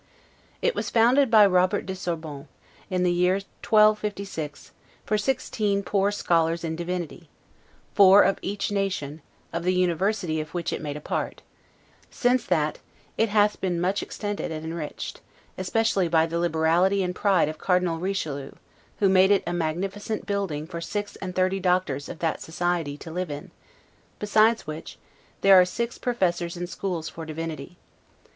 It was founded by Robert de Sorbon, in the year 1256 for sixteen poor scholars in divinity; four of each nation, of the university of which it made a part; since that it hath been much extended and enriched, especially by the liberality and pride of Cardinal Richelieu; who made it a magnificent building for six and thirty doctors of that society to live in; besides which, there are six professors and schools for divinity.